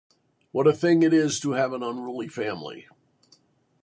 What a thing it is to have an unruly family!